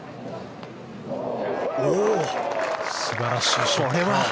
素晴らしいショット。